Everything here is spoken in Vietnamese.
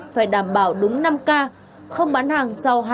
phải đảm bảo đúng năm k không bán hàng sau hai mươi một h